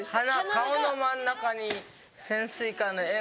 顔の真ん中に潜水艦の絵が？